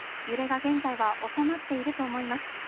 揺れが現在はおさまっていると思います。